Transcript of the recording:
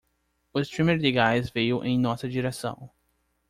O streamer de gás veio em nossa direção.